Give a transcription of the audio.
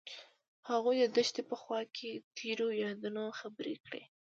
هغوی د دښته په خوا کې تیرو یادونو خبرې کړې.